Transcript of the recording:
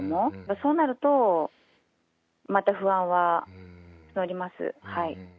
そうなると、また不安は募ります。